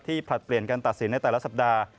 ผลัดเปลี่ยนการตัดสินในแต่ละสัปดาห์